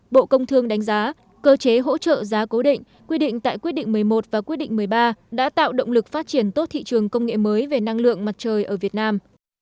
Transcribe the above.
bộ công thương đánh giá cơ chế hỗ trợ giá cố định quy định tại quyết định một mươi một và quyết định một mươi ba đã tạo động lực phát triển tốt thị trường công nghệ mới về năng lượng mặt trời ở việt nam